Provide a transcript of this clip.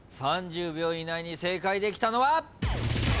３０秒以内に正解できたのは？